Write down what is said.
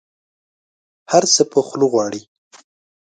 هر څه په خوله غواړي.